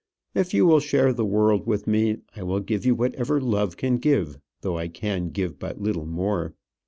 If you will share the world with me, I will give you whatever love can give though I can give but little more.